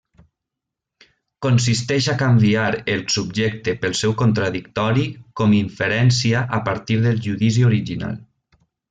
Consisteix a canviar el subjecte pel seu contradictori com inferència a partir del judici original.